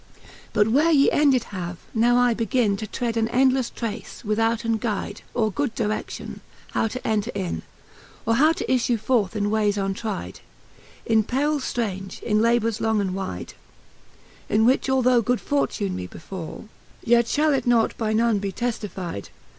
But where ye ended have, now I begin To tread anendleffe trace, withouten guyde, Or good dire6^ion,'how to enter in, Or how to iflue forth in Vvaies untryde, In perils Ibange, in labours long and wyde, In which although good Fortune me befall, Yet fliall it not by none be teftifyde.